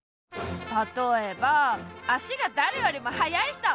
たとえばあしがだれよりもはやいひと！